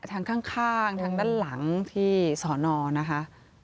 ทางข้างทางด้านหลังที่สอนอนะคะ